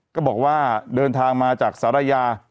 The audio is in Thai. ก็บอกว่าเดินทางมาจากสารยา